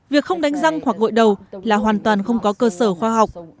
việc không đánh răng hoặc gội đầu là hoàn toàn không có cơ sở khoa học